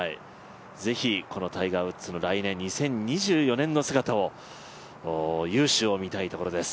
ぜひタイガー・ウッズの来年２０２４年の雄姿を見たいところです。